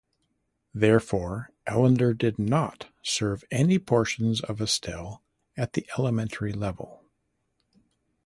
Therefore, Ellender did not serve any portions of Estelle at the elementary level.